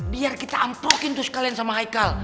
biar kita antrokin terus kalian sama haikal